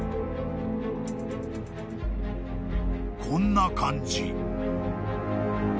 ［こんな感じ］